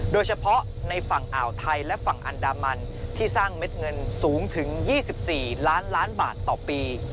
โดยเฉพาะในฝั่งอ่าวไทยและฝั่งอันดามันที่สร้างเม็ดเงินสูงถึง๒๔ล้านล้านบาทต่อปี